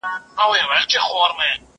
زه به اوږده موده سبزیحات پاخلي وم؟